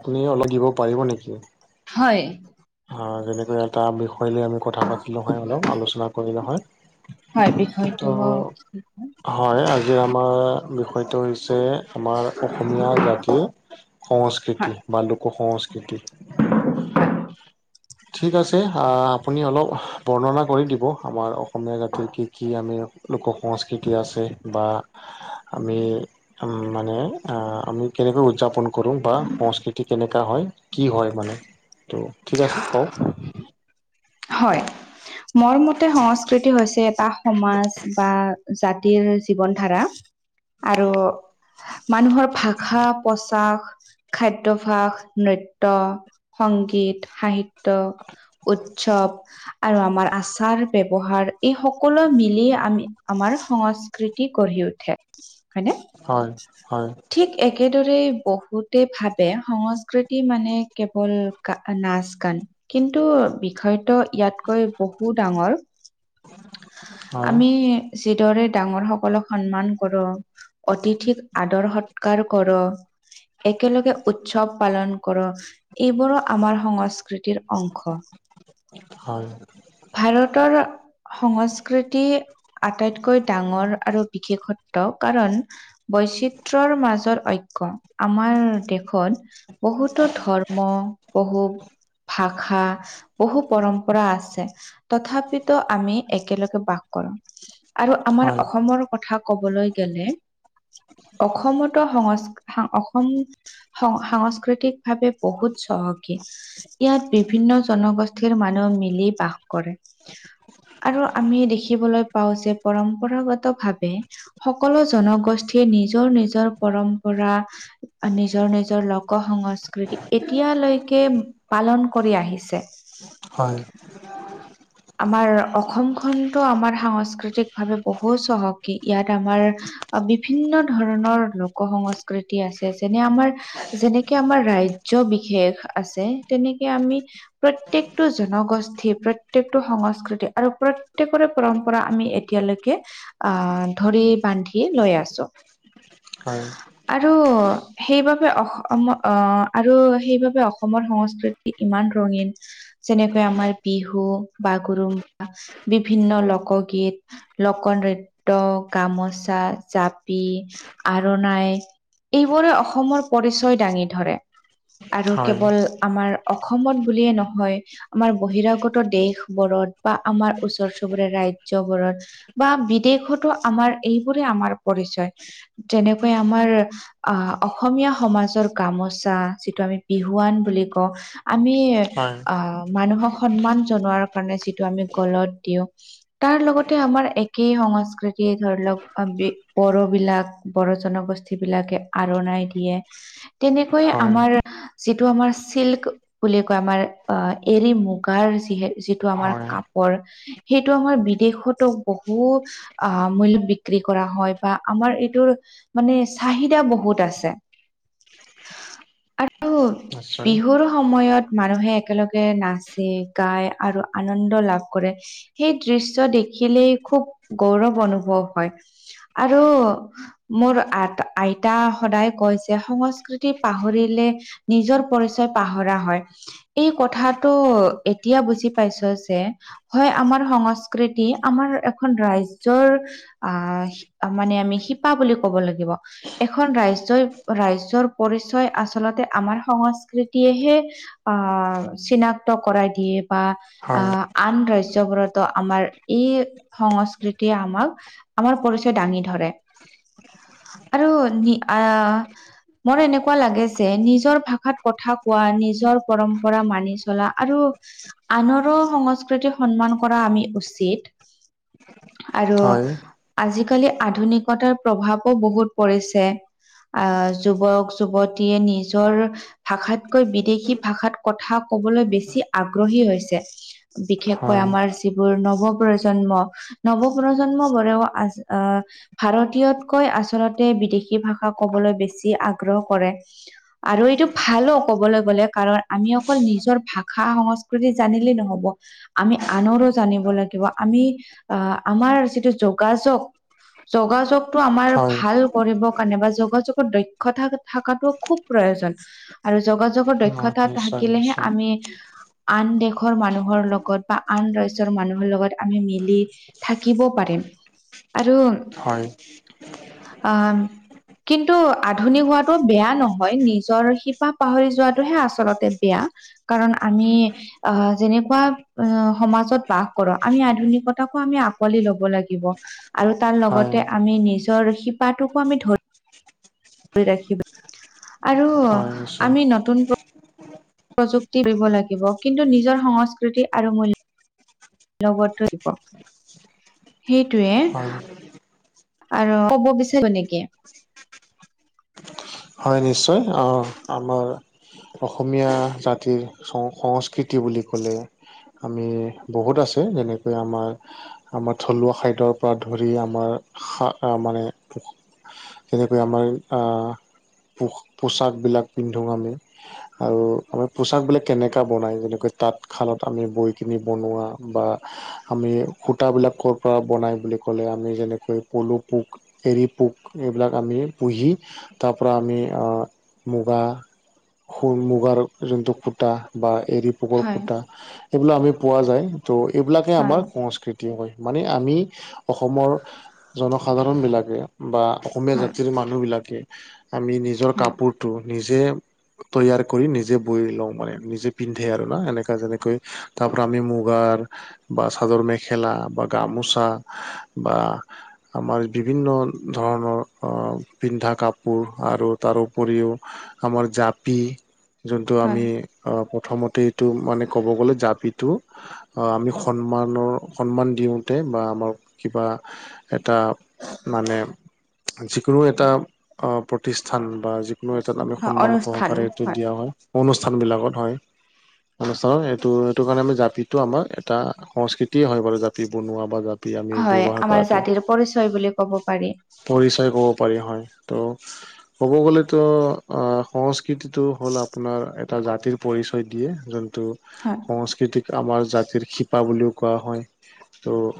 আপুনি অলপ দিব পাৰিব নেকি? হয়। হয়, যেনেকুৱা এটা বিষয় লৈ আমি কথা পা [inaudible] অলপ আলোচনা কৰিলো হয় হয় ত' বিষয়টো হয়, আজিৰ আমাৰ বিষয়টো হৈছে আমাৰ অসমীয়া জাতিৰ হয় সংস্কৃতি বা লোক সংস্কৃতি। ঠিক আছে, আ আপুনি অলপ বৰ্ণনা কৰি দিব আমাৰ অসমীয়া জাতিৰ কি কি আমি লোক সংস্কৃতি আছে বা আমি মানে আমি কেনেকৈ উদযাপন কৰোঁ বা সংস্কৃতি কেনেকুৱা হয় কি হয় মানে ত' ঠিক আছে কওঁ। হয় মোৰ মতে সংস্কৃতি হৈছে এটা সমাজ বা জাতিৰ জীৱন ধাৰা। আৰু মানুহৰ ভাষা পচাস খাদ্যভাস, নৃত্যয়, সংগীত, সাহিত্য ৱ আৰু আমাৰ আচাৰ ব্যৱহাৰ এই সকলো মিলি আমি আমাৰ সংস্কৃতি গঢ়ি উঠে হয়নে। হয় হয়। ঠিক একেদৰে বহুতে ভাবে সংস্কৃতি মানে কেৱল নাচ গান কিন্তু বিষয়ত ইয়াতকৈ বহু ডাঙৰ হয় আমি যিদৰে ডাঙৰ সকলক সন্মান কৰোঁ। অতিথিক আদৰ সৎকাৰ কৰ একেলগে উৎসৱ পালন কৰ এইবোৰো আমাৰ সংস্কৃতিৰ অংশ হয়। ভাৰতৰ সংস্কৃতি আটাইতকৈ ডাঙৰ আৰু বিশেষত্ব কাৰণ বৈচিত্ৰৰ মাজত ঐক্য আমাৰ দেশত বহুতো ধৰ্ম বহুত ভাষা বহু পৰম্পৰা আছে তথাপিতো আমি একেলগে বাস কৰোঁ। আৰু আমাৰ হয় অসমৰ কথা কবলৈ গ'লে। অসমতো সংস্থা অসম সাংস্কৃতিক ভাৱে বহুত চহকী। ইয়াত বিভিন্ন জনগোষ্ঠী পাঠিৰ মানুহ মিলি বাস কৰে। আৰু আমি দেখিবলৈ পাওঁ যে পৰম্পৰাগত ভাৱে সকলো জনগোষ্ঠীয়ে নিজৰ নিজৰ পৰম্পৰা নিজৰ নিজৰ লোক সংস্কৃতি এতিয়ালৈকে পালন কৰি আহিছে। হয়। আমাৰ অসমখনতো আমাৰ সাংস্কৃতিক ভাৱে বহু চহকী। ইয়াত আমাৰ বিভিন্ন ধৰণৰ লোক সংস্কৃতি আছে। যেনে আমাৰ যেনেকে আমাৰ ৰাজ্য বিশেষ আছে। তেনেকে আমি প্ৰত্যেকটো জনগোষ্ঠীৰ প্ৰ প্ৰত্যকটো সংস্কৃতি আৰু প্ৰত্যকৰে পৰম্পৰা আমি এতিয়ালৈকে আহ ধৰি বান্ধি লৈ আছোঁ। হয়। আৰু সেইবাবে অ অ আৰু সেইবাবে অসমৰ সংস্কৃতি ইমান ৰঙীন যেনেকৈ আমাৰ বিহু বাগৰুম্ব বিভিন্ন লোকগীত। লোক নৃত্য, গামোচা, জাপি, আৰণাই। এইবোৰে অসমৰ পৰিচয় দাঙি ধৰে। আৰু হয় কেৱল আমাৰ অসমত বুলিয়ে নহয় আমাৰ বহিৰাগত দেশ বোৰৰত বা আমাৰ ওচৰ চুবুৰীয়া ৰাজ্যয়বোৰত বা বিদেশতো আমাৰ এইবোৰে আমাৰ পৰিচয়। যেনেকৈ আমাৰ আহ অসমীয়া সমাজৰ গামোচা। যিটো আমি বিহুৱান বুলি কওঁ। আমি, হয় আঁ মানুহক সন্মান জনোৱাৰ কাৰণে, যিটো আমি গলত দিওঁ, তাৰ লগতে, আমাৰ একেই সংস্কৃতি ধৰি লওঁক, বড়ো বিলাক। বড়ো জনগোষ্ঠী বিলাকে আৰোণাই দিয়ে। তেনেকৈয়ে, হয় আমাৰ যিটো আমাৰ, চিল্ক বুলি কয়, আমাৰ আঁ এৰি- মুগাৰ, যি-যি টো আমাৰ হয় কাপোৰ, সেইটো আমাৰ বিদেশতো, বহু আঁ মূল্য বিক্ৰী কৰা হয়। বা আমাৰ এইটোৰ মানে, চাহিদা বহুত আছে। [unintelligible] আৰু নিশ্চয় বিহুৰ সময়ত, মানুহে একেলগে নাচে, গায় আৰু আনন্দ লাভ কৰে। সেই দৃশ্য দেখিলেই, খুউব গৌৰৱ অনুভৱ হয়। আৰু মোৰ আ-আইতা সদায় কৈ যে, সংস্কৃতি পাহৰিলে নিজৰ পৰিচয় পাহৰা হয়। এই, কথাটো এতিয়া, বুজি পাইছোঁ যে, হয়! আমাৰ সংস্কৃতি, আমাৰ এখন ৰাজ্যৰ আঁ মানে, আমি শিপা বুলি ক'ব লাগিব। এখন ৰাজ্যই, ৰাজ্যৰ পৰিচয় আচলতে, আমাৰ সংস্কৃতিয়েহে আঁ চিনাক্ত কৰাই দিয়ে বা হয় আঁ আন ৰাজ্যবোৰতো, আমাৰ এই সংস্কৃতিয়ে আমাক, আমাৰ পৰিচয় দাঙি ধৰে। আৰু আঁ মোৰ এনেকুৱা লাগে যে, নিজৰ ভাষাত কথা কোৱা, নিজৰ পৰম্পৰা মানি চলা আৰু আনৰ ৰো সংস্কৃতি সন্মান কৰা, আমি উচিত। আৰু হয় আজিকালি, আধুনিকতাৰ প্ৰভাৱো বহুত পৰিছে। আঁ যুৱক-যুৱতীয়ে নিজৰ ভাষাতকৈ, বিদেশী ভাষাত কথা ক'বলৈ, বেছি আগ্ৰহী হৈছে। বিশেষকৈ, হয় আমাৰ যিবোৰ নৱ-প্ৰজন্ম। নৱ-প্ৰজন্মবোৰেও আছে, আঁ ভাৰতীয়তকৈ আচলতে, বিদেশী ভাষা ক'বলৈ বেছি আগ্ৰহ কৰে। আৰু এইটো ভালো, ক'বলৈ গলে, কাৰণ আমি অকল নিজৰ ভাষা-সংস্কৃতি জানিলেই নহ নহ'ব। আমি আনৰো জানিব লাগিব, আমি আঁ আমাৰ যিটো যোগাযোগ, যোগাযোগটো আমাৰ, ভাল কৰিব কাৰণে বা যোগাযোগৰ দক্ষতা থকাটো খুউব প্ৰয়োজন। আৰু যোগাযোগৰ দক্ষ হয় দক্ষতা নিশ্চয় থাকিলেহে, নিশ্চয় আমি আন দেশৰ মানুহ মানুহৰ লগত বা আন ৰাজ্য মানুহৰ লগত, আমি মিলি থাকিব পাৰিম। আৰু হয়! আঁ কিন্তু, আধুনিক হোৱাটো বেয়া নহয়। নিজৰ শিপা পাহৰি যোৱাটোহে, আচলতে বেয়া। কাৰণ, আমি অ'! যেনে- কুৱা সমাজত বাস কৰোঁ। আমি, আধুনিকতাকো আমি, আঁকোৱালি ল'ব লাগিব। আৰু তাৰ হয় লগতে, আমি নিজৰ শিপাটোকো আমি ধৰি ধৰি ৰাখি আৰু হয় নিশ্চয় আমি নতুন প্ৰ- প্ৰযুক্তি কৰিব লাগিব। কিন্তু, নিজৰ সংস্কৃতি আৰু মূল্য লগত আহিব, সেইটোৱে। হয় আৰু ক'ব বিচাৰিব নেকি? হয়, নিশ্চয়! অ' আমাৰ। অসমীয়া জাতিৰ সং সংস্কৃতি বুলি ক'লে আমি বহুত আছে। যেনেকৈ আমাৰ আমাৰ থলুৱা খাদ্য পৰা ধৰি আমাৰ মানে যেনেকৈ আমাৰ। পোছাকবিলাক পিন্ধো আমি। আৰু আমাৰ পোচাক বিলাক কেনেকৈ বনাই যেনেকৈ তাত। খালত আমি বৈ কিনি বনোৱা বা আমি সূতাবিলাক ক'ৰ পৰা বনাই বুলি ক'লে, আমি যেনেকৈ পলু পোক, এৰী পোক এইবিলাক আমি পুহি তাৰ পৰা আমি মুগা স মুগাৰ যোনটো ফুটা বা এৰি পোক হয় খুটা এইবিলাক আমি পোৱা যায়। ত' এইবিলাকে হয় আমাৰ সংস্কৃতি। হয় মানে আমি। অসমৰ জনসাধাৰণ বিলাকে বা অসমীয়া হয় জাতিৰ মানুহ বিলাকে আমি নিজৰ হয় কাপোৰটো নিজে তৈয়াৰ কৰি নিজে বৈ লওঁ মানে। নিজে পিন্ধে আৰু না এনেকা যেনেকৈ তাৰ পৰা আমি মুগাৰ বা চাদৰ মেখেলা বা গামোচা বা আমাৰ বিভিন্ন ধৰণৰ অ পিন্ধা কাপ- কাপোৰ আৰু তাৰ উপৰিও আমাৰ জাপি যোনটো, হয় আমি অ প্ৰথমতে এইটো মানে ক'ব গ'লে জাপিটো আহ আমি সন্মানৰ সন্মান দিওঁতে বা আমাক কিবা এটা মানে যিকোনো এটা প্ৰতিষ্ঠান বা যিকোনো এটাত আমি হয় সন্মান অনুষ্ঠান সহকাৰে এইটো দিয়া হয়। অনুষ্ঠানবিলাকত হয়। অনুষ্ঠানৰ এইটো সেইটো কাৰণে আমি জাপি আমাৰ এটা সংস্কৃতিয়ে হয় বাৰু জাপি বনোৱা বা জাপি আমি হয় ব্যৱহাৰ আমাৰ কৰাটো জাতিৰ পৰিচয় বুলি ক'ব পাৰি। পৰিচয় ক'ব পাৰি হয়। ক'ব গ'লেতো অ সংস্কৃতিটো হ'ল আপোনাৰ এটা জাতিৰ পৰিচয় দিয়ে যোনটো। হয়। সংস্কৃতিক আমাৰ জাতিৰ শিপা বুলিও কোৱা হয়।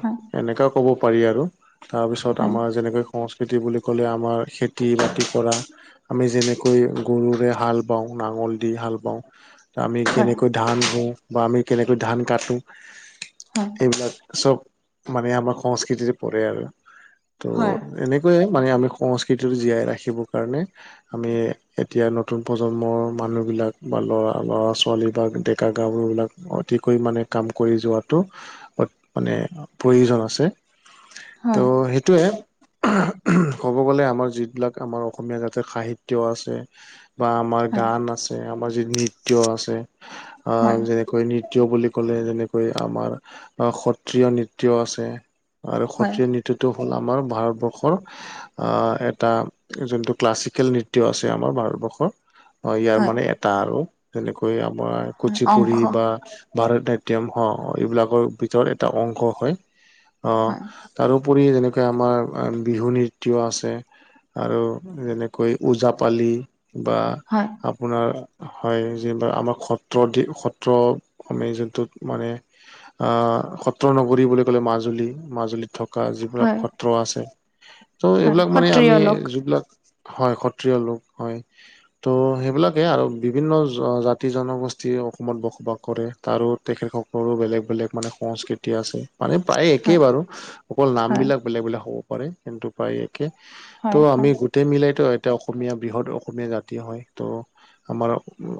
হয় এনেকাও ক'ব পাৰি আৰু। তাৰপিছত হয় আমাৰ যেনেকৈ সংস্কৃতি বুলি ক'লে আমাৰ খেতি বাতি কৰা। আমি যেনেকৈ গৰুৰে হাল বাওঁ নাঙল দি হাল বাওঁ। আমি কেনেকৈ ধান ৰোঁ বা আমি কেনেকৈ ধান কাটো। হয়। এইবিলাক চব মানে আমাৰ সংস্কৃতিত পৰে আৰু। ত' হয় এনে সেইটোৱেই মানে, আমি সংস্কৃতিটো জীয়াই ৰাখিবৰ কাৰণে। আমি এতিয়া নতুন প্ৰজন্মৰ মানুহবিলাক, বা ল'ৰা, ল'ৰা-ছোৱালী বা ডেকা-গাভৰুবিলাক অতিকৈ মানে কাম কৰি যোৱাটো অত মানে প্ৰয়োজন আছে। ত', হয় সেইটোৱে, ক'ব গ'লে আমাৰ যিবিলাক আমাৰ অসমীয়া জাতিৰ সাহিত্য আছে, বা আমাৰ হয় গান আছে। আমাৰ যি নৃত্য আছে। আ, হয় হয় যেনে কৈ নৃত্য বুলি ক'লে, যেনেকৈ আমাৰ সত্ৰিয় নৃত্য আছে। আৰু হয় সত্ৰীয়া নৃত্যটো হ'ল, আমাৰ ভাৰতবৰ্ষৰ আহ, এক তা যোনটো ক্লাছিকেল নৃত্য আছে আমাৰ ভাৰতবৰ্ষৰ, ইয়াৰ হয় মানে এটা আৰু। তেনেকৈ আমাৰ হয় কুচিপুড়ি অংশ বা ভাৰত নাট্যম অ', এইবিলাকৰ ভিতৰত এটা অংশ হয়। হয় অ' তাৰোপৰি যেনেকৈ আমাৰ আ, বিহু নৃত্য আছে আৰু যেনেকৈ ওজাপালি বা হয় আপোনাৰ হয় যিবিলাক আমাক সত্ৰ দি সত্ৰ আমি যোনটোত মানে আহ, সত্ৰ নগৰী বুলি ক'লে মাজুলী। মাজুলীত থকা যিবিলাক হয় সত্ৰ আছে ত', হয় এইবিলাক মানে, সত্ৰিয় আমি লোক যিবিলাক হয়, সত্ৰিয় লোক হয় ত', সেইবিলাকে আৰু, বিভিন্ন জ, জাতি জনগোষ্ঠী অসমত বসবাস কৰে। আৰু তেখেতসকলৰো বেলেগ বেলেগ মানে সংস্কৃতি আছে। মানে প্ৰায়ে হয় একেই বাৰু, অকল হয় নামবিলাক বেলেগ বেলেগ হ'ব পাৰে। কিন্তু প্ৰায় একে ত', হয় আমি হয় গোটেই মিলেইতো এটা অসমীয়া বৃহৎ অসমীয়া জাতি হয়। ত' আমাৰ,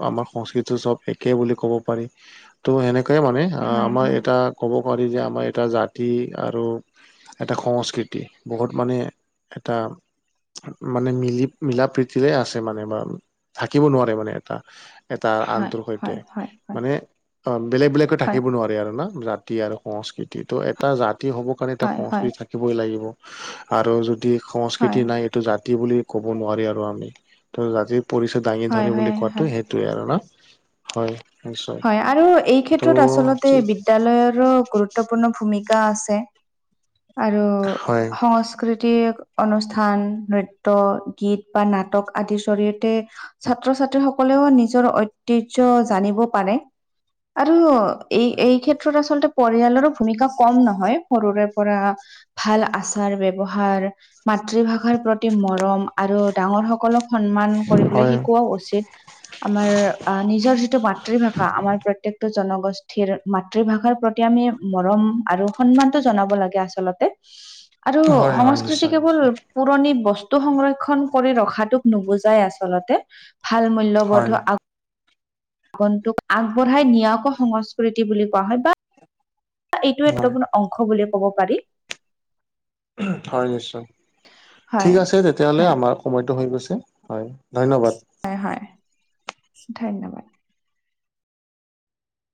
আমাৰ সংস্কৃতি চব একে বুলি ক'ব পাৰি। ত' সেনেকাই মানে আ, হয় আমাৰ হয় এটা ক'ব পাৰি যে, আমাৰ এটা জাতি আৰু এটা সংস্কৃতি, বহুত মানে এটা মানে মিলি, মিলা প্ৰীতিৰে আছে মানে বা। থাকিব নোৱাৰে মানে এটা। এটা হয় আনটোৰ হয় সৈতে। হয় হয় মানে অ', বেলেগ বেলেগকৈ হয় থাকিব নোৱাৰেি আৰু ন! ৰাত জাতি আৰু সংস্কৃতি। ত', এটা জাতি হ'ব কাৰণে এটা হয় হয় হয় সংস্কৃতি থাকিবই লাগিব। আৰু যদি সংস্কৃতি নাই এইটো জাতি বুলি ক'ব নোৱাৰি আৰু আমি। ত', জাতিৰ পৰিচয় দাঙি ধৰি হয় বুলি হয় কোৱাটো, হয় সেইটোয়ে আৰু ন! হয় হয় আৰু এই ত' ক্ষেত্ৰত আচলতে ঠিক বিদ বিদ্যালয়ৰো গুৰুত্বপূৰ্ণ ভূমিকা আছে। আৰু হয় সং সাংস্কৃতিক অনুষ্ঠান নৃত্য, গীত বা নাটক আদিৰ জৰিয়তে ছাত্ৰ-ছাত্ৰী সকলেও নিজৰ ঐতিহ্য জানিব পাৰে। আৰু এই, হয় এই ক্ষেত্ৰত আচলতে পৰিয়ালৰো ভূমিকা কম নহয়। সৰুৰে পৰা ভাল আচাৰ ব্যৱহাৰ মাতৃভাষাৰ প্ৰতি মৰম আৰু ডাঙৰ সকলক সন্মান কৰিবলৈ হয় শিকোৱাও উচিত। আমাৰ আহ, নিজৰ যিটো মাত মাতৃভাষা, আমাৰ প্ৰত্যেকটো জনগোষ্ঠীৰ মাতৃভাষাৰ প্ৰতি আমি মৰম আৰু সন্মানটো জনাব লাগে আচলতে। আৰু হয় হয় সংস্কৃতি নিশ্চয় কেৱল নিশ্চয় পুৰণি বস্তু সংৰক্ষন কৰি ৰখাটোক নুবুজাই আচলতে। ভাল মূল্যবোধ হয় আ আগন্তোক আগবঢ়াই নিয়াকৈ সংস্কৃতি বুলি কোৱা হয়। বা এইটো হয় [unintelligible] অংশ বুলিয়ে ক'ব পাৰি। হয় নিশ্চয়। ঠিক হয় আছে, তেতিয়াহলে হয় আমাৰ সময়টো হৈ গৈছে। হয়। ধন্যবাদ। হয়, হয়। ধন্যবাদ।